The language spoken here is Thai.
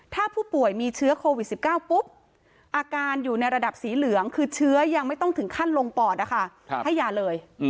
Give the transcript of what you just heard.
ถ้าผู้ป่วยมีเชื้อโควิด๑๙ปุ๊บอาการอยู่ในระดับสีเหลืองคือเชื้อยังไม่ต้องถึงขั้นลงปอดนะคะให้ยาเลย